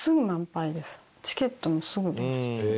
チケットもすぐ売れました。